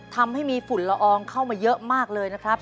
ทำให้มีฝุ่นละอองเข้ามาเยอะมากเลยนะครับ